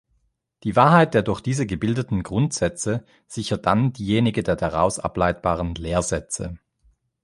Die Wahrheit der durch diese gebildeten „Grundsätze“ sichert dann diejenige der daraus ableitbaren „Lehrsätze“.